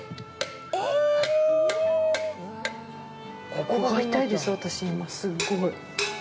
ここが痛いですよ、私、今、すっごい。